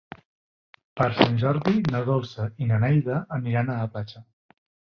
Per Sant Jordi na Dolça i na Neida aniran a la platja.